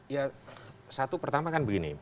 ya satu pertama kan begini